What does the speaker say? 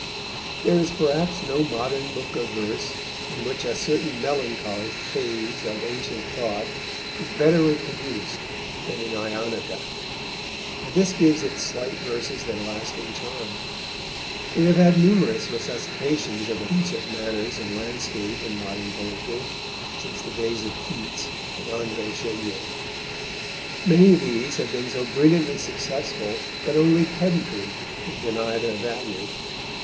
There is perhaps no modern book of verse in which a certain melancholy phase of ancient thought is better reproduced than in Ionica, and this gives its slight verses their lasting charm. We have had numerous resuscitations of ancient manners and landscape in modern poetry since the days of Keats and André Chenier. Many of these have been so brilliantly successful that only pedantry would deny their value.